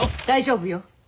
大丈夫よ。